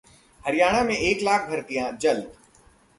हरियाणा में एक लाख भर्तियां जल्द